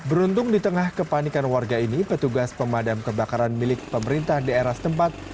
beruntung di tengah kepanikan warga ini petugas pemadam kebakaran milik pemerintah daerah setempat